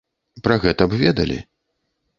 Пра гэта б ведалі.